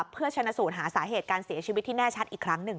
เพื่อชนะสูตรหาสาเหตุการเสียชีวิตที่แน่ชัดอีกครั้งหนึ่ง